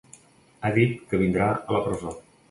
Ha dit que vindrà a la presó.